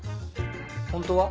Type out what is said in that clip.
本当は？